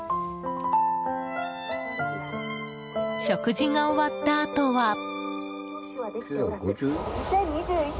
食事が終わったあとは。